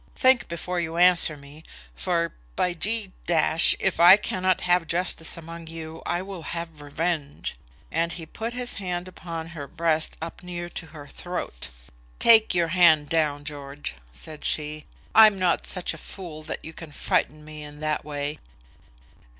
Think before you answer me, for, by G , if I cannot have justice among you, I will have revenge." And he put his hand upon her breast up near to her throat. "Take your hand down, George," said she. "I'm not such a fool that you can frighten me in that way."